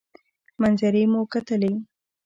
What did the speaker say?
منظرې مو کتلې.